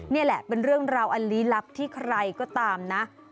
นี่แหละเป็นเรื่องราวอันลี้ลับที่ใครก็ตามนะ